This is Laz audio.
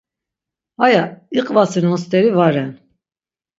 Aya iqvasinon steri va ren.